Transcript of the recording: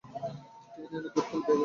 Train এলে gate খুলে দিবে।